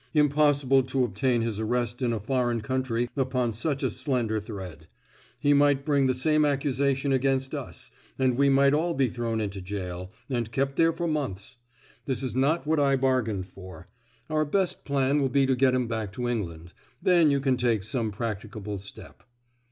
Impossible to obtain his arrest in a foreign country upon such a slender thread. He might bring the same accusation against us, and we might all be thrown into gaol, and kept there for months. That is not what I bargained for. Our best plan will be to get him back to England; then you can take some practicable step."